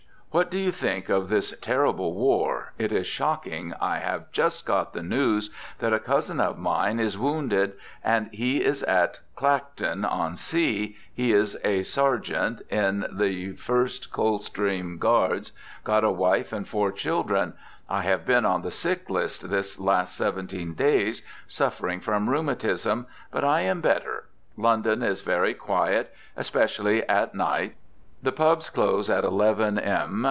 What do you think of this terrable war it is shocking i have just Got the news that a cousin of mine is wounded and he is at Clacton on sea he is a Sergt in the 1th Coldstreams Gds got a wife and 4 Children i have been on the sick list this Last 17 days suffering from Rumitism but i am better London is very quiet Especially at Night the Pubs Close at 11 m.